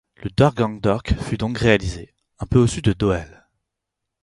Le Deurganckdok fut donc réalisé, un peu au sud de Doel.